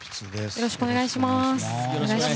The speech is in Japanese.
よろしくお願いします。